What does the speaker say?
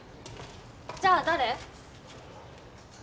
じゃあ誰？